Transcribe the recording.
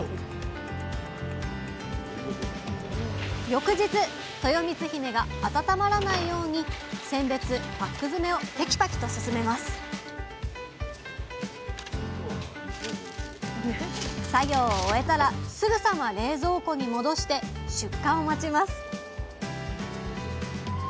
翌日とよみつひめが温まらないように選別パック詰めをてきぱきと進めます作業を終えたらすぐさま冷蔵庫に戻して出荷を待ちます